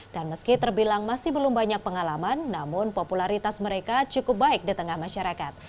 dan meski terbilang masih belum banyak pengalaman namun popularitas mereka cukup baik di tengah masyarakat